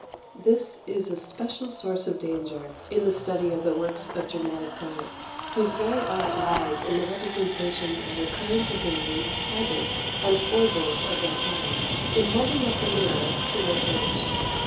2. This is a special source of danger in the study of the works of dramatic poets, whose very art lies in the representation of the current opinions, habits, and foibles of their times in holding up the mirror to their age.